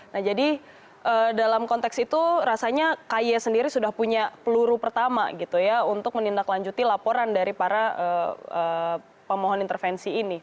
nah jadi dalam konteks itu rasanya ky sendiri sudah punya peluru pertama gitu ya untuk menindaklanjuti laporan dari para pemohon intervensi ini